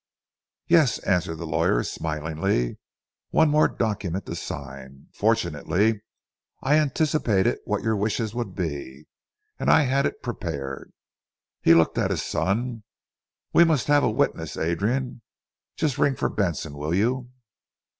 "Yes," answered the lawyer smilingly. "One more document to sign. Fortunately I anticipated what your wishes would be; and I had it prepared." He looked at his son. "We must have a witness, Adrian. Just ring for Benson, will you?"